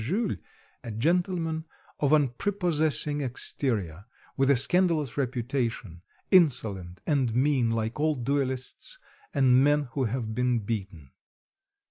Jules, a gentleman of unprepossessing exterior, with a scandalous reputation, insolent and mean, like all duelists and men who have been beaten.